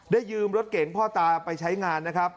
ยืมรถเก่งพ่อตาไปใช้งานนะครับ